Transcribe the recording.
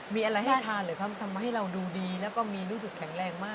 มีอะไรให้ทานหรือครับทำให้เราดูดีแล้วก็มีรู้สึกแข็งแรงมาก